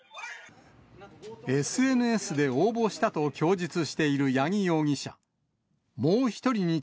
ＳＮＳで応募したと供述している八木容疑者。